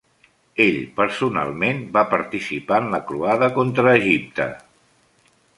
Ell personalment va participar en la croada contra Egipte.